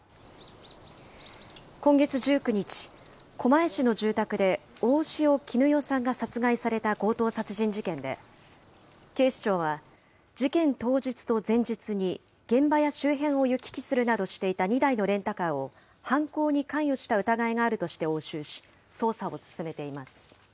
今月１９日、狛江市の住宅で大塩衣與さんが殺害された強盗殺人事件で、警視庁は、事件当日と前日に、現場や周辺を行き来するなどしていた２台のレンタカーを、犯行に関与した疑いがあるとして押収し、捜査を進めています。